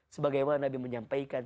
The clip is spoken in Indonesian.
sebagai yang pernah nabi menyampaikan